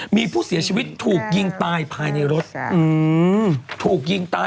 มีผู้เสียชีวิตถูกยิงตายภายในรถ